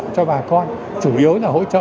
cho bà con chủ yếu là hỗ trợ